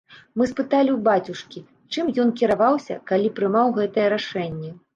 Мы спыталі ў бацюшкі, чым ён кіраваўся, калі прымаў гэтае рашэнне.